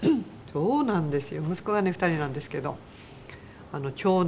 「そうなんですよ」